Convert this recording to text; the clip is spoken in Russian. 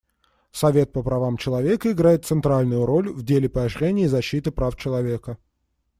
Совет по правам человека играет центральную роль в деле поощрения и защиты прав человека.